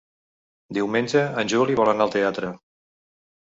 Diumenge en Juli vol anar al teatre.